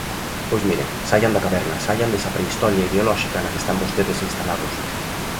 Pois, mire, saian da caverna, saian desa prehistoria ideolóxica na que están vostedes instalados.